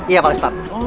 iya pak ustadz